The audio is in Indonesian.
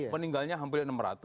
meninggalnya hampir enam ratus